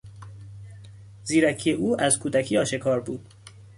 زیرکی او از کودکی آشکار بود.